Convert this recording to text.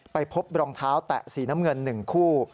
ไปพบรองเท้าแตะสีน้ำเงิน๑คู่